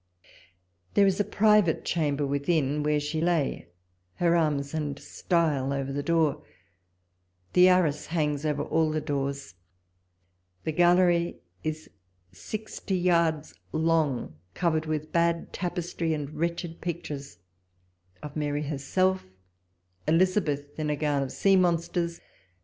There is a private chamber within, where she lay, her arms and style over the door ; the arras hangs over all the doors ; the gallery is sixty yards long, covered with bad tapestry, and wretched pictures of Mary herself, Elizabeth in a gown of sea monsters.